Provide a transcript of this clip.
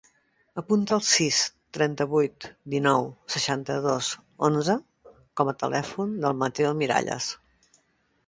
Apunta el sis, trenta-vuit, dinou, seixanta-dos, onze com a telèfon del Matteo Miralles.